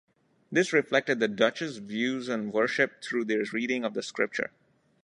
This reflected the Dutch's views on worship through their reading of the Scripture.